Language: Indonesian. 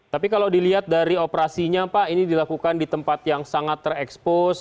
tapi kalau dilihat dari operasinya pak ini dilakukan di tempat yang sangat terekspos